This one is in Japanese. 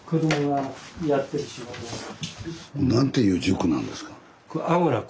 何ていう塾なんですか？